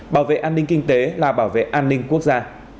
bảo vệ an ninh kinh tế là bảo vệ an ninh quốc gia